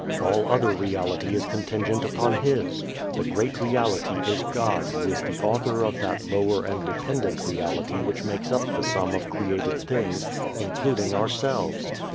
All other reality is contingent upon His. The great Reality is God who is the Author of that lower and dependent reality which makes up the sum of created things, including ourselves.